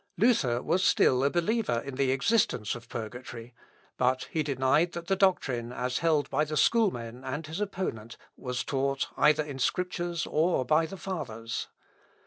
Luther was still a believer in the existence of purgatory; but he denied that the doctrine, as held by the schoolmen and his opponent, was taught either in the Scriptures or by the Fathers.